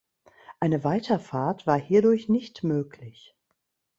Eine Weiterfahrt war hierdurch nicht möglich.